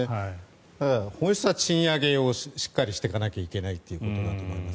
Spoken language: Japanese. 本質は賃上げをしっかりしてかなきゃいけないということだと思います。